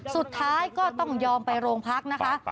สุดท้ายก็ต้องยอมไปโรงพักนะคะ